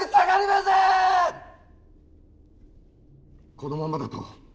このままだと。